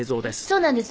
「そうなんです」